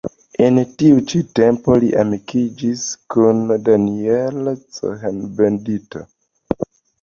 En tiu ĉi tempo li amikiĝis kun Daniel Cohn-Bendit.